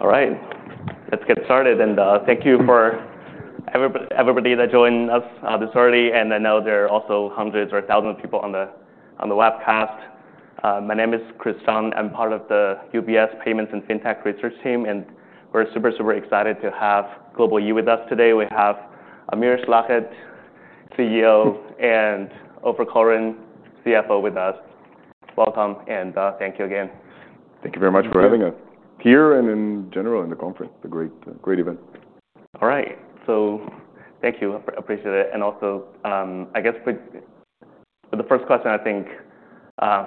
All right. Let's get started. And, thank you for everybody that joined us, this early. And I know there are also hundreds or thousands of people on the webcast. My name is Christian. I'm part of the UBS Payments and FinTech Research team. And we're super, super excited to have Global-E with us today. We have Amir Schlachet, CEO, and Ofer Koren, CFO, with us. Welcome. And, thank you again. Thank you very much for having us. Thank you. Here and in general in the conference. It's a great, great event. All right. So thank you. Appreciate it. And also, I guess with the first question, I think,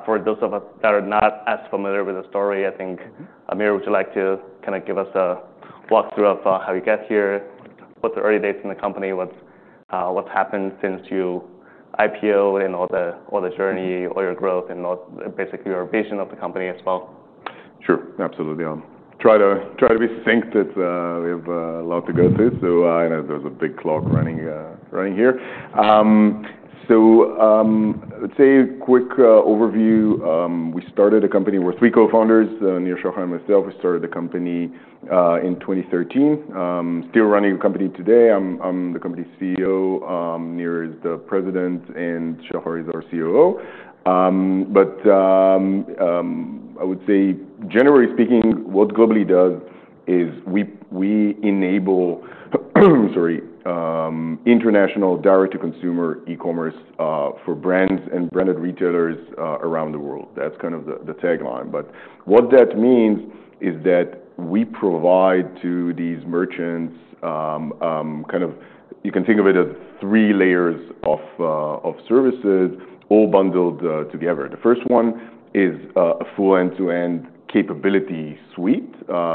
for those of us that are not as familiar with the story, I think, Amir, would you like to kinda give us a walkthrough of, how you got here, what's the early days in the company, what's happened since you IPO, and all the journey, all your growth, and basically your vision of the company as well? Sure. Absolutely. Try to be succinct. It's we have a lot to go through. So, you know, there's a big clock running here. So, let's say a quick overview. We started the company. We're three Co-Founders, Nir Debbi, Ofer Koren, and myself. We started the company in 2013. Still running the company today. I'm the company CEO. Nir is the President, and Ofer is our CFO. But I would say, generally speaking, what Global-e does is we enable, sorry, international direct-to-consumer e-commerce for brands and branded retailers around the world. That's kind of the tagline. But what that means is that we provide to these merchants kind of you can think of it as three layers of services, all bundled together. The first one is a full end-to-end capability suite,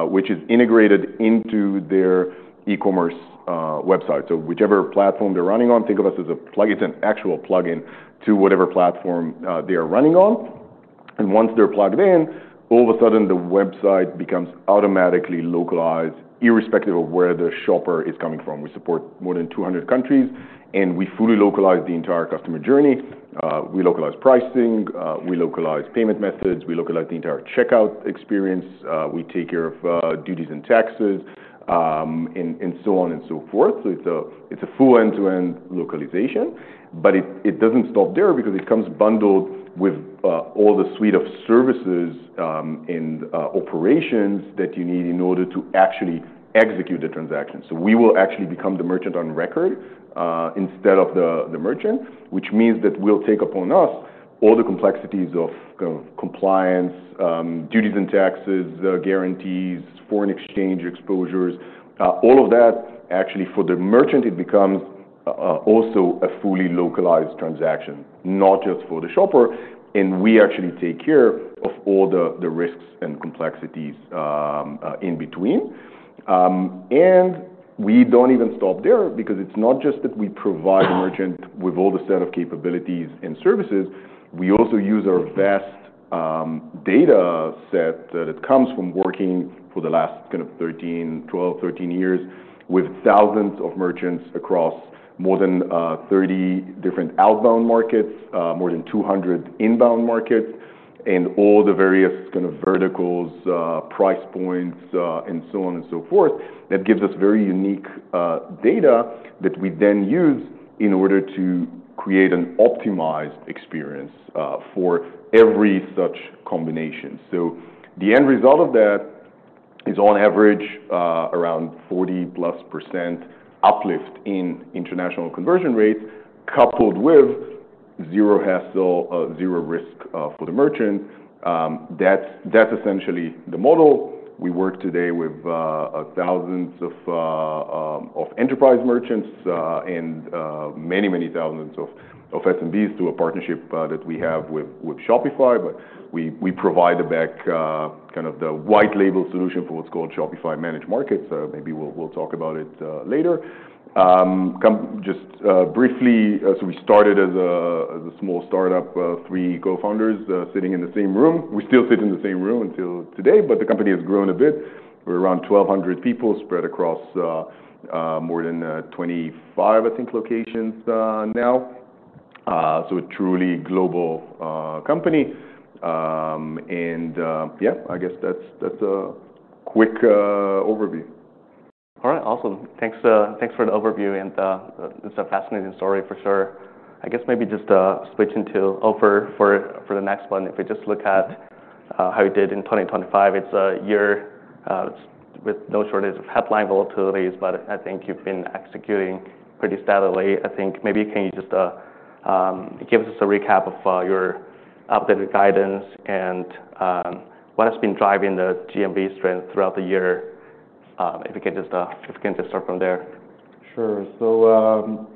which is integrated into their e-commerce website. So whichever platform they're running on, think of us as a plug. It's an actual plug-in to whatever platform they are running on, and once they're plugged in, all of a sudden, the website becomes automatically localized, irrespective of where the shopper is coming from. We support more than 200 countries. We fully localize the entire customer journey. We localize pricing. We localize payment methods. We localize the entire checkout experience. We take care of duties and taxes, and so on and so forth. It's a full end-to-end localization, but it doesn't stop there because it comes bundled with all the suite of services and operations that you need in order to actually execute the transaction. So we will actually become the Merchant of Record, instead of the merchant, which means that we'll take upon us all the complexities of kind of compliance, duties and taxes, guarantees, foreign exchange exposures, all of that. Actually, for the merchant, it becomes also a fully localized transaction, not just for the shopper, and we actually take care of all the risks and complexities in between, and we don't even stop there because it's not just that we provide the merchant with all the set of capabilities and services. We also use our vast data set that comes from working for the last kind of 13, 12, 13 years with thousands of merchants across more than 30 different outbound markets, more than 200 inbound markets, and all the various kind of verticals, price points, and so on and so forth. That gives us very unique data that we then use in order to create an optimized experience for every such combination, so the end result of that is, on average, around 40+% uplift in international conversion rates, coupled with zero hassle, zero risk, for the merchant. That's essentially the model. We work today with thousands of enterprise merchants, and many, many thousands of SMBs through a partnership that we have with Shopify. But we provide the back, kind of the white-label solution for what's called Shopify Managed Markets. Maybe we'll talk about it later. And just briefly, so we started as a small startup, three Co-Founders, sitting in the same room. We still sit in the same room until today. But the company has grown a bit. We're around 1,200 people spread across more than 25, I think, locations now. So, a truly global company. And yeah, I guess that's a quick overview. All right. Awesome. Thanks, thanks for the overview. And, it's a fascinating story for sure. I guess maybe just, switching to Ofer for, for the next one. If we just look at, how you did in 2025, it's a year, with no shortage of headline volatilities. But I think you've been executing pretty steadily. I think maybe can you just, give us a recap of, your updated guidance and, what has been driving the GMV strength throughout the year? If you can just, if you can just start from there. Sure. So,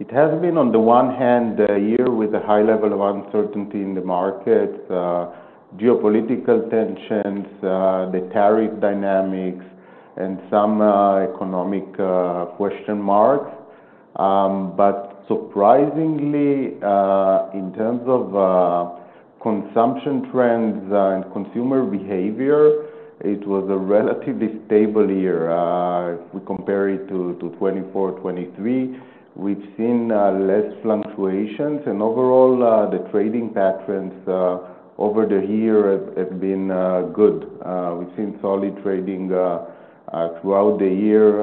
it has been on the one hand a year with a high level of uncertainty in the markets, geopolitical tensions, the tariff dynamics, and some economic question marks. But surprisingly, in terms of consumption trends and consumer behavior, it was a relatively stable year. If we compare it to 2024, 2023, we've seen less fluctuations. And overall, the trading patterns over the year have been good. We've seen solid trading throughout the year,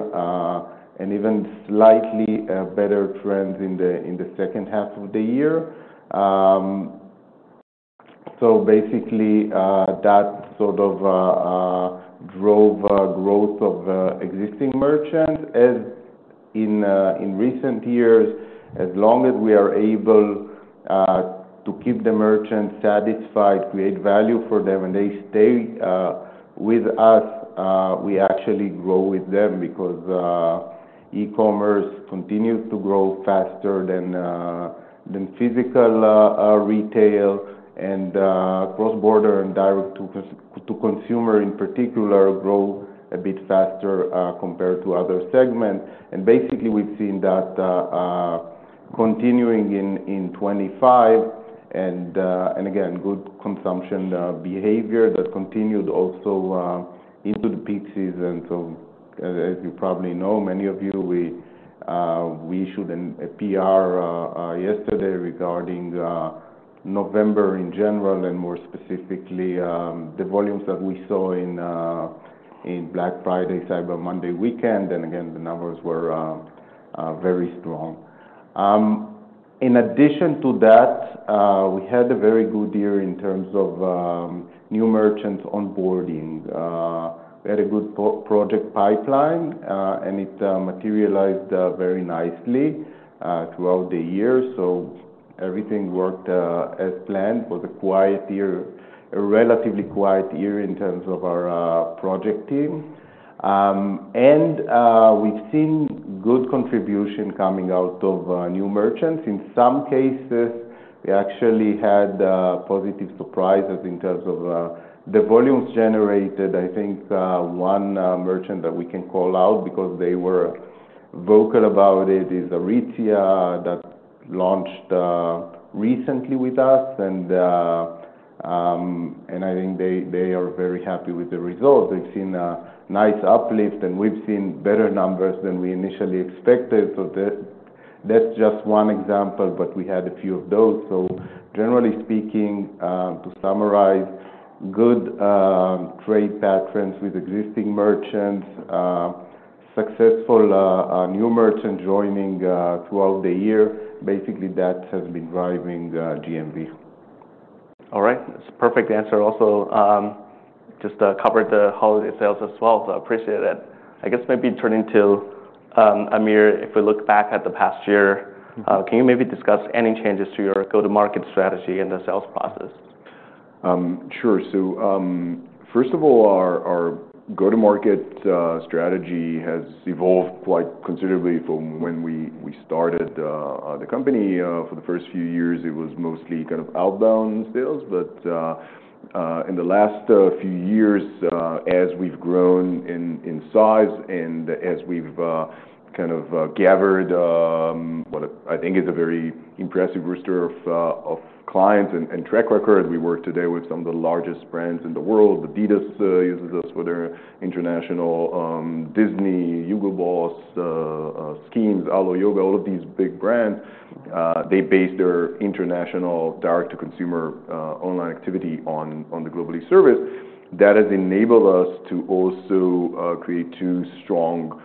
and even slightly better trends in the second half of the year. So basically, that sort of drove growth of existing merchants as in recent years. As long as we are able to keep the merchants satisfied, create value for them, and they stay with us, we actually grow with them because e-commerce continues to grow faster than physical retail. Cross-border and direct-to-consumer in particular grow a bit faster compared to other segments. Basically, we've seen that continuing in 2025. And again, good consumption behavior that continued also into the peak season. As you probably know, many of you, we issued a PR yesterday regarding November in general and more specifically, the volumes that we saw in Black Friday Cyber Monday weekend. Again, the numbers were very strong. In addition to that, we had a very good year in terms of new merchants onboarding. We had a good project pipeline, and it materialized very nicely throughout the year. Everything worked as planned. It was a quiet year, a relatively quiet year in terms of our project team. We've seen good contribution coming out of new merchants. In some cases, we actually had positive surprises in terms of the volumes generated. I think one merchant that we can call out because they were vocal about it is Aritzia that launched recently with us. And I think they are very happy with the results. They've seen a nice uplift, and we've seen better numbers than we initially expected. So that's just one example. But we had a few of those. So generally speaking, to summarize, good trade patterns with existing merchants, successful new merchant joining throughout the year, basically that has been driving GMV. All right. That's a perfect answer. Also, just, covered the holiday sales as well. So I appreciate that. I guess maybe turning to, Amir, if we look back at the past year, can you maybe discuss any changes to your go-to-market strategy and the sales process? Sure. First of all, our go-to-market strategy has evolved quite considerably from when we started the company. For the first few years, it was mostly kind of outbound sales. But in the last few years, as we've grown in size and as we've kind of gathered what I think is a very impressive roster of clients and track record, we work today with some of the largest brands in the world. Adidas uses us for their international, Disney, Hugo Boss, SKIMS, Alo Yoga, all of these big brands. They base their international direct-to-consumer online activity on the Global-e service. That has enabled us to also create two strong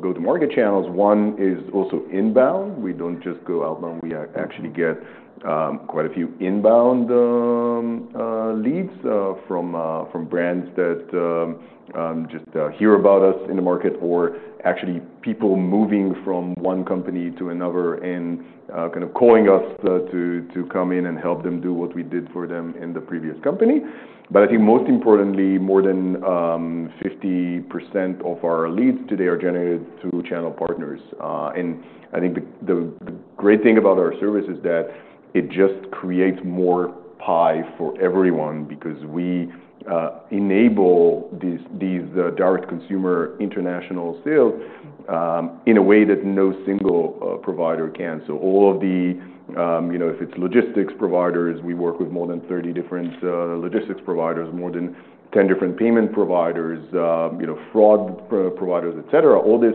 go-to-market channels. One is also inbound. We don't just go outbound. We actually get quite a few inbound leads from brands that just hear about us in the market or actually people moving from one company to another and kind of calling us to come in and help them do what we did for them in the previous company. But I think most importantly, more than 50% of our leads today are generated through channel partners. I think the great thing about our service is that it just creates more pie for everyone because we enable these direct-to-consumer international sales in a way that no single provider can. So all of the, you know, if it's logistics providers, we work with more than 30 different logistics providers, more than 10 different payment providers, you know, fraud providers, et cetera. All this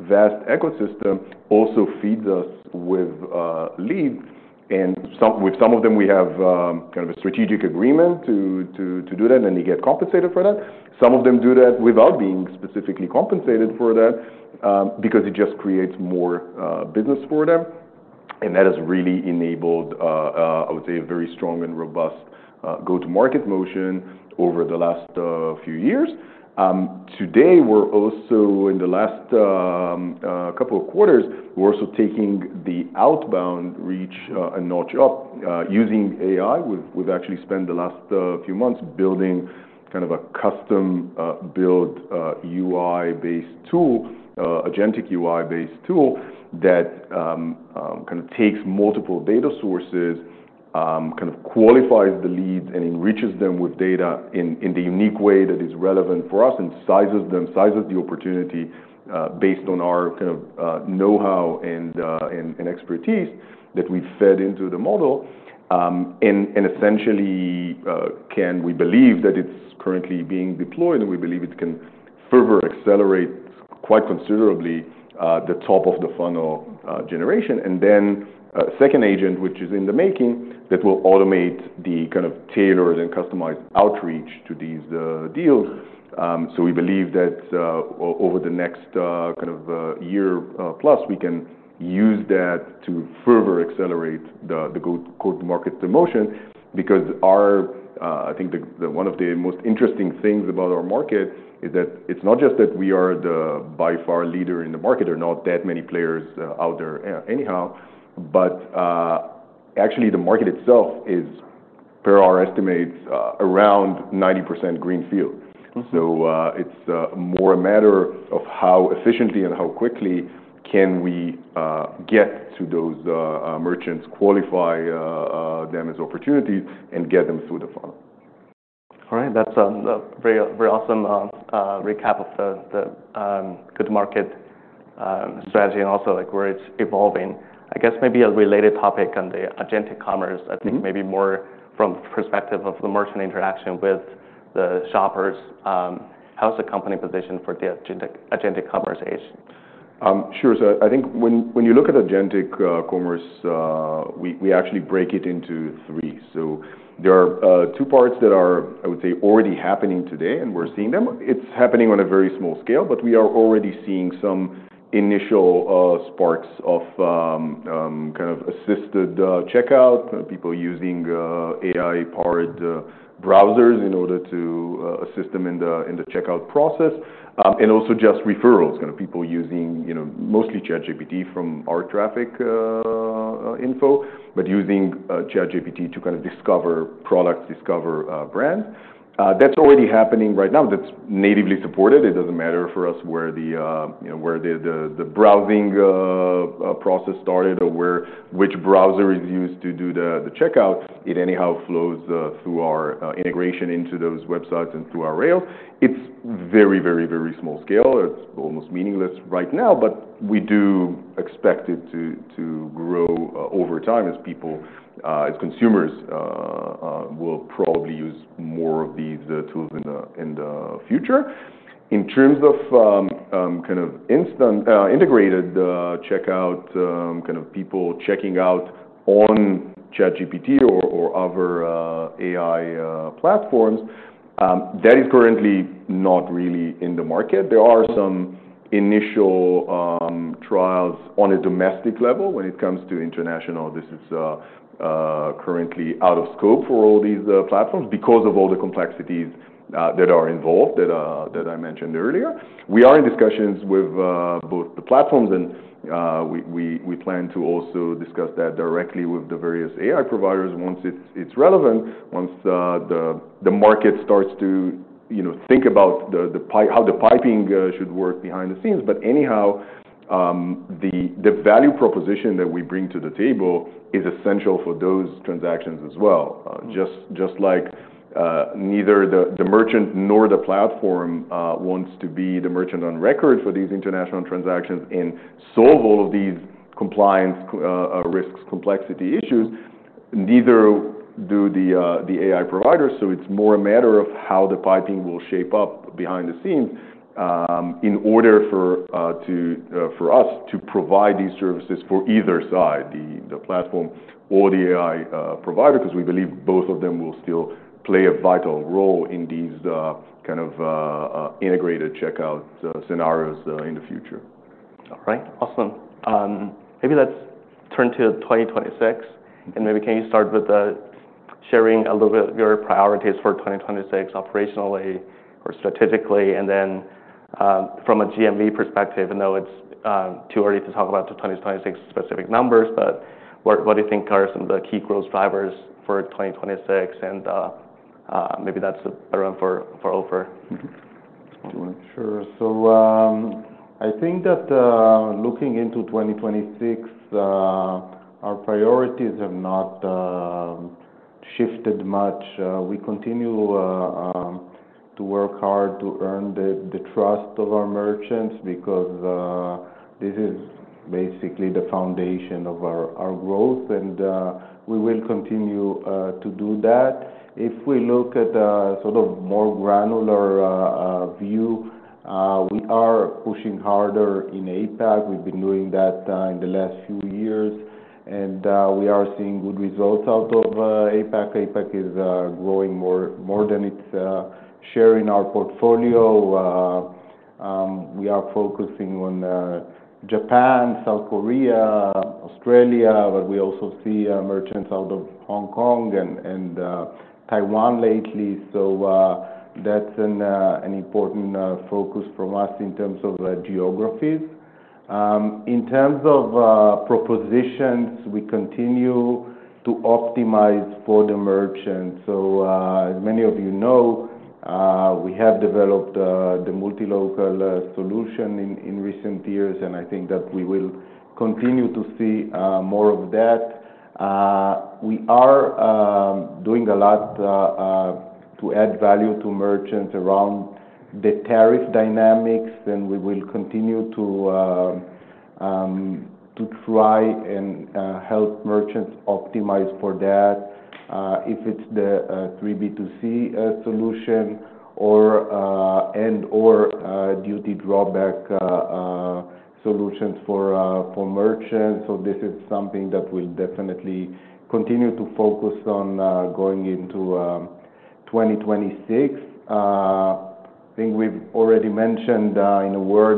vast ecosystem also feeds us with leads. And some, with some of them, we have kind of a strategic agreement to do that, and they get compensated for that. Some of them do that without being specifically compensated for that, because it just creates more business for them. And that has really enabled, I would say, a very strong and robust go-to-market motion over the last few years. Today, we're also in the last couple of quarters, taking the outbound reach a notch up, using AI. We've actually spent the last few months building kind of a custom build UI-based tool, agentic UI-based tool that kind of takes multiple data sources, kind of qualifies the leads, and enriches them with data in the unique way that is relevant for us and sizes them, sizes the opportunity, based on our kind of know-how and expertise that we've fed into the model. Essentially, we believe that it's currently being deployed, and we believe it can further accelerate quite considerably the top-of-the-funnel generation. Then a second agent, which is in the making, that will automate the kind of tailored and customized outreach to these deals. So we believe that, over the next, kind of, year, plus, we can use that to further accelerate the go-to-market motion because our, I think the one of the most interesting things about our market is that it's not just that we are the by far leader in the market. There are not that many players out there, anyhow. But, actually, the market itself is, per our estimates, around 90% greenfield. So, it's more a matter of how efficiently and how quickly we can get to those merchants, qualify them as opportunities, and get them through the funnel. All right. That's a very, very awesome recap of the go-to-market strategy and also, like, where it's evolving. I guess maybe a related topic on the agentic commerce. I think maybe more from the perspective of the merchant interaction with the shoppers. How's the company positioned for the agentic commerce age? Sure. So, I think when you look at agentic commerce, we actually break it into three. So there are two parts that are, I would say, already happening today, and we're seeing them. It's happening on a very small scale, but we are already seeing some initial sparks of kind of assisted checkout, people using AI-powered browsers in order to assist them in the checkout process. And also just referrals, kind of people using, you know, mostly ChatGPT from our traffic info, but using ChatGPT to kind of discover products, discover brands. That's already happening right now. That's natively supported. It doesn't matter for us where the, you know, where the browsing process started or where which browser is used to do the checkout. It anyhow flows through our integration into those websites and through our rails. It's very, very, very small scale. It's almost meaningless right now. But we do expect it to grow over time as people, as consumers, will probably use more of these tools in the future. In terms of kind of instant integrated checkout, kind of people checking out on ChatGPT or other AI platforms, that is currently not really in the market. There are some initial trials on a domestic level. When it comes to international, this is currently out of scope for all these platforms because of all the complexities that are involved that I mentioned earlier. We are in discussions with both the platforms, and we plan to also discuss that directly with the various AI providers once it's relevant, once the market starts to you know think about the pipe, how the piping should work behind the scenes. But anyhow, the value proposition that we bring to the table is essential for those transactions as well. Just like, neither the merchant nor the platform wants to be the merchant of record for these international transactions and solve all of these compliance risks, complexity issues. Neither do the AI providers. So it's more a matter of how the piping will shape up behind the scenes, in order for us to provide these services for either side, the platform or the AI provider, because we believe both of them will still play a vital role in these kind of integrated checkout scenarios in the future. All right. Awesome. Maybe let's turn to 2026. And maybe can you start with sharing a little bit of your priorities for 2026 operationally or strategically? And then, from a GMV perspective, I know it's too early to talk about the 2026 specific numbers, but what do you think are some of the key growth drivers for 2026? And maybe that's a better one for Ofer? Sure. So, I think that, looking into 2026, our priorities have not shifted much. We continue to work hard to earn the trust of our merchants because this is basically the foundation of our growth. We will continue to do that. If we look at a sort of more granular view, we are pushing harder in APAC. We've been doing that in the last few years. We are seeing good results out of APAC. APAC is growing more than its share in our portfolio. We are focusing on Japan, South Korea, Australia, but we also see merchants out of Hong Kong and Taiwan lately. That's an important focus from us in terms of geographies. In terms of propositions, we continue to optimize for the merchants. So, as many of you know, we have developed the multi-local solution in recent years, and I think that we will continue to see more of that. We are doing a lot to add value to merchants around the tariff dynamics, and we will continue to try and help merchants optimize for that, if it's the B2C solution or and/or duty drawback solutions for merchants. So this is something that we'll definitely continue to focus on, going into 2026. I think we've already mentioned our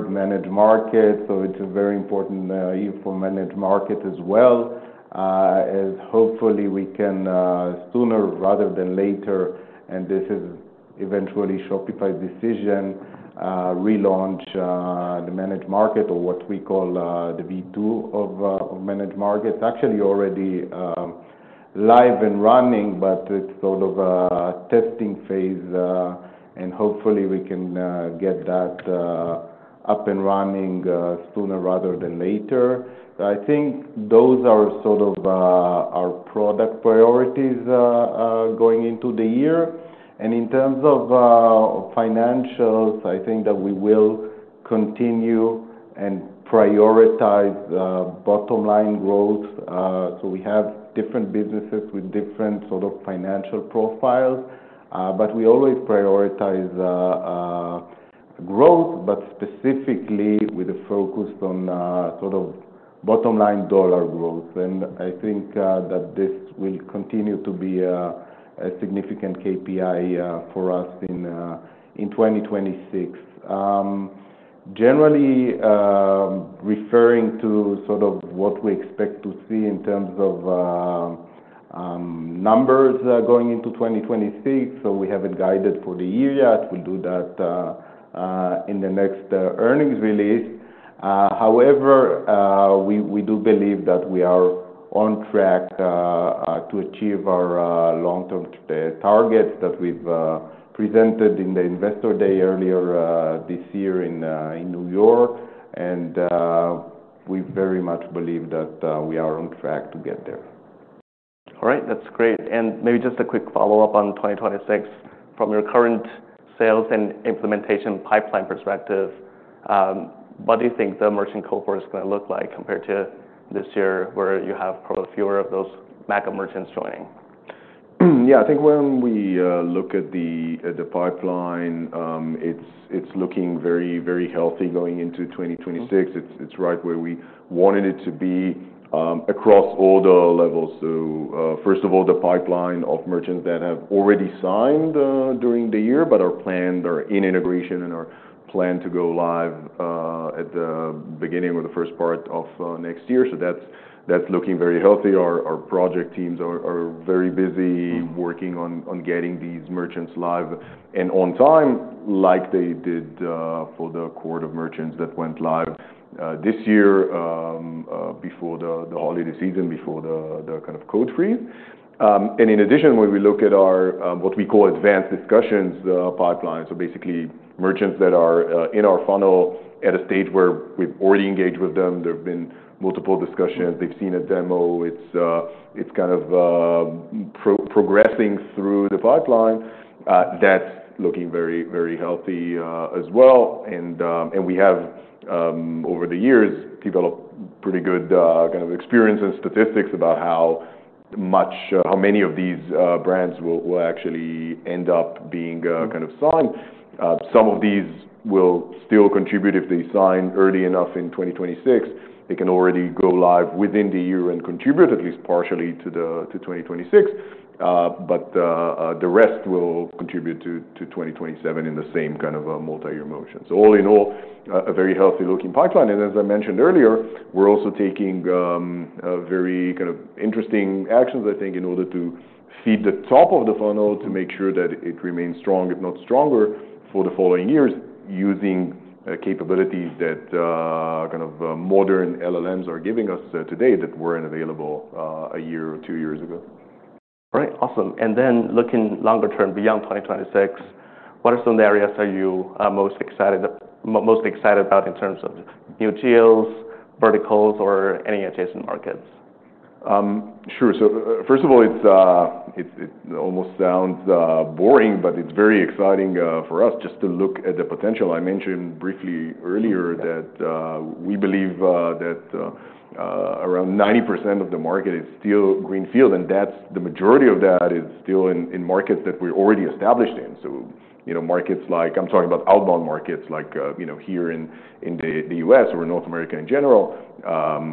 Managed Markets. So it's a very important area for Managed Markets as well, as hopefully we can sooner rather than later, and this is eventually Shopify's decision, relaunch the Managed Markets or what we call the V2 of Managed Markets. It's actually already live and running, but it's sort of a testing phase, and hopefully we can get that up and running sooner rather than later. So I think those are sort of our product priorities going into the year. And in terms of financials, I think that we will continue and prioritize bottom-line growth. So we have different businesses with different sort of financial profiles. But we always prioritize growth, but specifically with a focus on sort of bottom-line dollar growth. And I think that this will continue to be a significant KPI for us in 2026. Generally, referring to sort of what we expect to see in terms of numbers going into 2026, so we haven't guided for the year yet. We'll do that in the next earnings release. However, we do believe that we are on track to achieve our long-term targets that we've presented in the investor day earlier this year in New York, and we very much believe that we are on track to get there. All right. That's great. And maybe just a quick follow-up on 2026. From your current sales and implementation pipeline perspective, what do you think the merchant cohort is going to look like compared to this year where you have probably fewer of those mega merchants joining? Yeah. I think when we look at the pipeline, it's looking very, very healthy going into 2026. It's right where we wanted it to be across all the levels, so first of all, the pipeline of merchants that have already signed during the year but are planned, are in integration, and are planned to go live at the beginning or the first part of next year, so that's looking very healthy. Our project teams are very busy working on getting these merchants live and on time like they did for the core of merchants that went live this year before the holiday season before the kind of code freeze. In addition, when we look at our what we call advanced discussions pipeline, so basically merchants that are in our funnel at a stage where we've already engaged with them, there've been multiple discussions, they've seen a demo, it's kind of progressing through the pipeline, that's looking very, very healthy, as well. We have, over the years, developed pretty good kind of experience and statistics about how much, how many of these brands will actually end up being kind of signed. Some of these will still contribute if they sign early enough in 2026. They can already go live within the year and contribute at least partially to 2026. The rest will contribute to 2027 in the same kind of multi-year motion. All in all, a very healthy-looking pipeline. As I mentioned earlier, we're also taking very kind of interesting actions, I think, in order to feed the top of the funnel to make sure that it remains strong, if not stronger, for the following years using capabilities that kind of modern LLMs are giving us today that weren't available a year or two years ago. All right. Awesome. And then looking longer term beyond 2026, what are some areas are you most excited about in terms of new deals, verticals, or any adjacent markets? Sure, so first of all, it's almost sounds boring, but it's very exciting for us just to look at the potential. I mentioned briefly earlier that we believe that around 90% of the market is still greenfield, and that's the majority of that is still in markets that we're already established in. You know, markets like I'm talking about outbound markets like, you know, here in the U.S. or North America in general,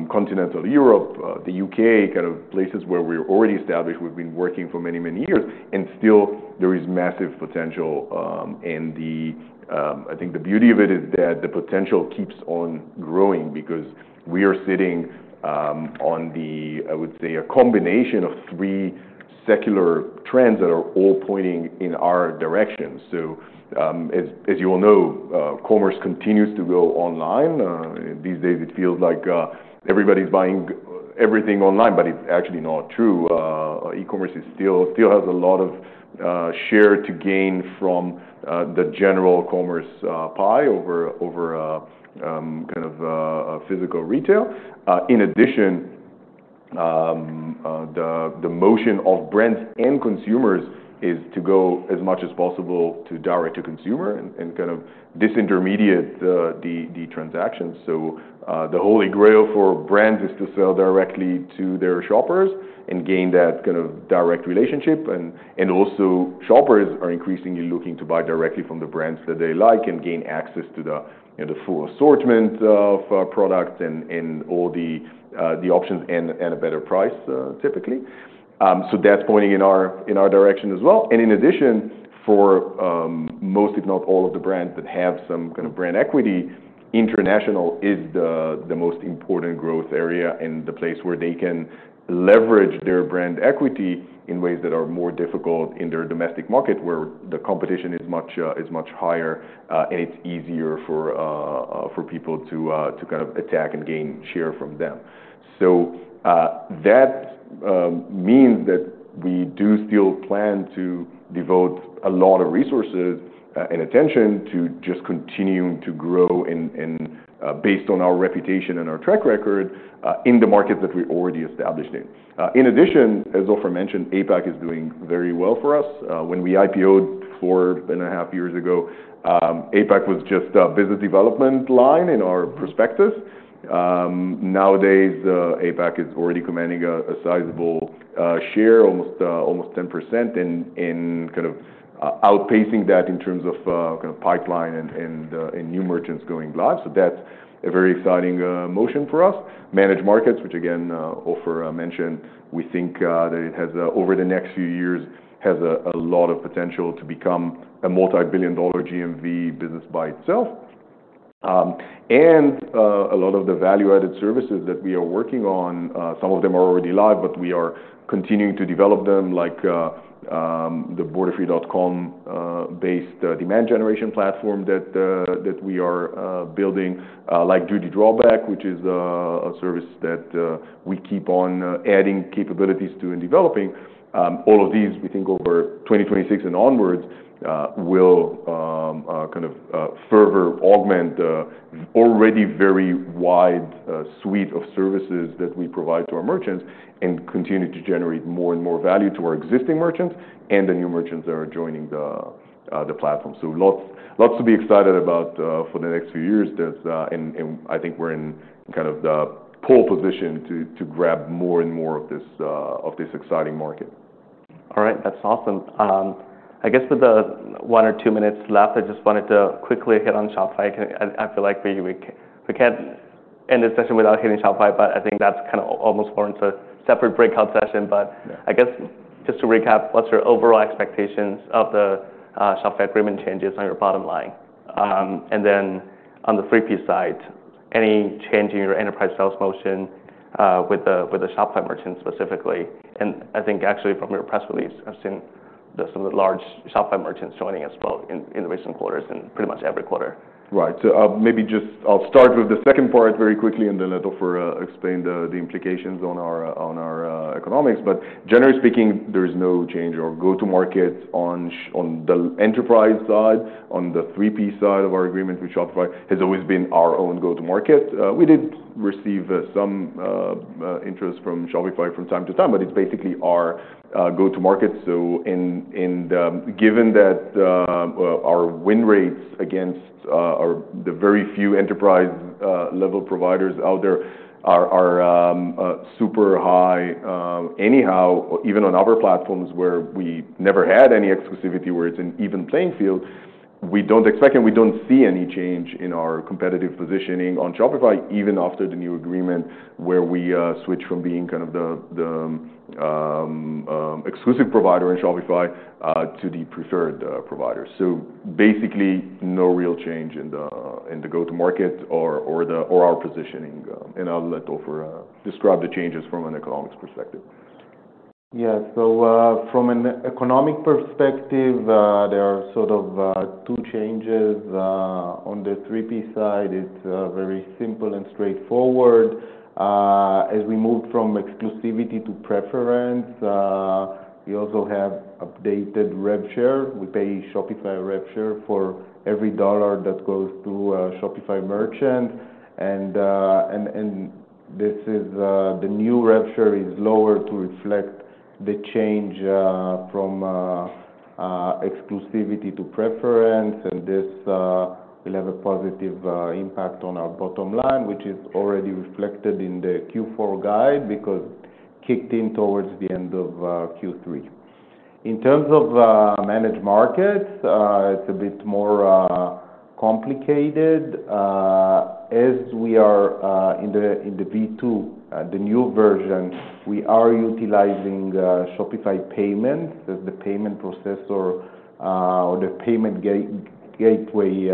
continental Europe, the U.K., kind of places where we're already established, we've been working for many, many years, and still there is massive potential. I think the beauty of it is that the potential keeps on growing because we are sitting on the, I would say, a combination of three secular trends that are all pointing in our direction. So, as you all know, commerce continues to go online. These days it feels like everybody's buying everything online, but it's actually not true. E-commerce still has a lot of share to gain from the general commerce pie over kind of physical retail. In addition, the motion of brands and consumers is to go as much as possible direct to consumer and kind of disintermediate the transactions. So, the Holy Grail for brands is to sell directly to their shoppers and gain that kind of direct relationship. And also shoppers are increasingly looking to buy directly from the brands that they like and gain access to the, you know, the full assortment of products and all the options and a better price, typically. So that's pointing in our direction as well. In addition, for most, if not all, of the brands that have some kind of brand equity, international is the most important growth area and the place where they can leverage their brand equity in ways that are more difficult in their domestic market where the competition is much higher, and it's easier for people to kind of attack and gain share from them. That means that we do still plan to devote a lot of resources and attention to just continuing to grow in, based on our reputation and our track record, in the markets that we already established in. In addition, as Ofer mentioned, APAC is doing very well for us. When we IPO'd four and a half years ago, APAC was just a business development line in our prospectus. Nowadays, APAC is already commanding a sizable share, almost 10% and kind of outpacing that in terms of kind of pipeline and new merchants going live. So that's a very exciting motion for us. Managed markets, which again Ofer mentioned, we think that it has over the next few years a lot of potential to become a multi-billion-dollar GMV business by itself, and a lot of the value-added services that we are working on, some of them are already live, but we are continuing to develop them, like the Borderfree.com-based demand generation platform that we are building, like duty drawback, which is a service that we keep on adding capabilities to and developing. All of these, we think over 2026 and onwards, will kind of further augment the already very wide suite of services that we provide to our merchants and continue to generate more and more value to our existing merchants and the new merchants that are joining the platform. So lots, lots to be excited about for the next few years, and I think we're in kind of the pole position to grab more and more of this exciting market. All right. That's awesome. I guess with the one or two minutes left, I just wanted to quickly hit on Shopify. I feel like we can't end this session without hitting Shopify, but I think that's kind of almost more into a separate breakout session. But I guess just to recap, what's your overall expectations of the Shopify agreement changes on your bottom line? And then on the 3P side, any change in your enterprise sales motion, with the Shopify merchants specifically? And I think actually from your press release, I've seen some of the large Shopify merchants joining as well in the recent quarters and pretty much every quarter. Right. So, maybe just I'll start with the second part very quickly, and then let Ofer explain the implications on our economics. But generally speaking, there is no change to go-to-market on the enterprise side, on the 3P side of our agreement with Shopify has always been our own go-to-market. We did receive some interest from Shopify from time to time, but it's basically our go-to-market. So, given that, our win rates against the very few enterprise-level providers out there are super high, anyhow, even on other platforms where we never had any exclusivity where it's an even playing field, we don't expect and we don't see any change in our competitive positioning on Shopify even after the new agreement where we switch from being kind of the exclusive provider in Shopify to the preferred provider. So basically no real change in the go-to-market or our positioning. And I'll let Ofer describe the changes from an economic perspective. Yeah. So, from an economic perspective, there are sort of two changes on the 3P side. It's very simple and straightforward. As we moved from exclusivity to preference, we also have updated rev share. We pay Shopify rev share for every dollar that goes through Shopify merchants. And this is the new rev share is lower to reflect the change from exclusivity to preference. And this will have a positive impact on our bottom line, which is already reflected in the Q4 guide because kicked in towards the end of Q3. In terms of managed markets, it's a bit more complicated. As we are in the V2, the new version, we are utilizing Shopify payments as the payment processor, or the payment gateway,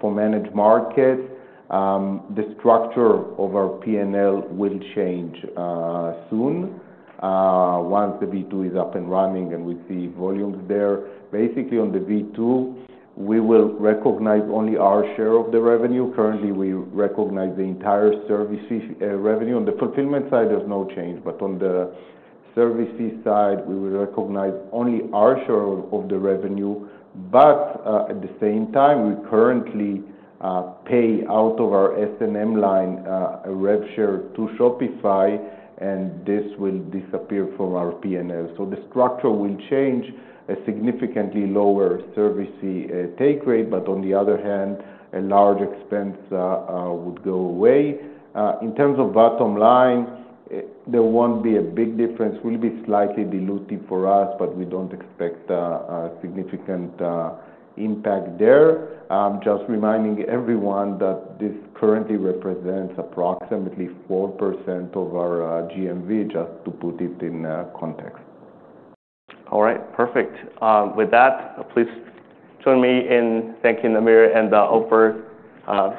for managed markets. The structure of our P&L will change soon, once the V2 is up and running and we see volumes there. Basically, on the V2, we will recognize only our share of the revenue. Currently, we recognize the entire services revenue. On the fulfillment side, there's no change. But on the services side, we will recognize only our share of the revenue. But at the same time, we currently pay out of our S&M line a rev share to Shopify, and this will disappear from our P&L. So the structure will change, a significantly lower services take rate. But on the other hand, a large expense would go away. In terms of bottom line, there won't be a big difference. It will be slightly diluted for us, but we don't expect significant impact there. I'm just reminding everyone that this currently represents approximately 4% of our GMV, just to put it in context. All right. Perfect. With that, please join me in thanking Amir and Ofer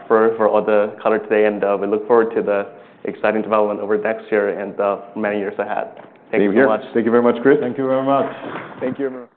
for all the color today. We look forward to the exciting development over the next year and many years ahead. Thank you very much. Thank you very much, Chris. Thank you very much. Thank you, everyone.